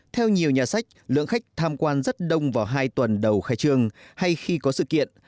theo nhiều nhà sách lượng khách tham quan rất đông vào hai tuần đầu khai trương hay khi có sự kiện